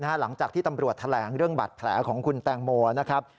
หลังจากที่ตำรวจแถลงเรื่องบัตรแผลของคุณแตงโมนะครับ